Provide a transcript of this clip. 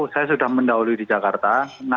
saya sudah mendahului di jakarta